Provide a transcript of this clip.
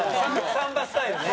サンバスタイルね。